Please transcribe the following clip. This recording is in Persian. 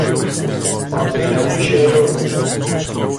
تازهترین شعر او